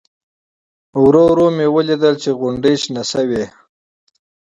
ورو ورو مې احساس وکړ چې غونډۍ شنې شوې.